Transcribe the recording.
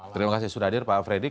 terima kasih sudah hadir pak fredrik